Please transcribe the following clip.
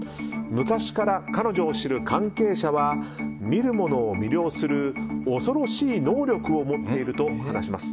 昔から彼女を知る関係者は見る者を魅了する恐ろしい能力を持っていると話します。